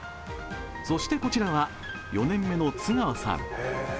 そしてこちらは４年目の都川さん。